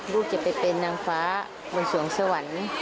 ลูกจะไปเป็นนางฟ้าบนสวงสวรรค์